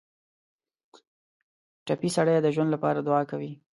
ټپي سړی د ژوند لپاره دعا کوي.